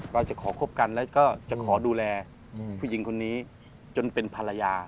เราจะขอคบกันแล้วก็จะขอดูแลผู้หญิงคนนี้จนเป็นภรรยา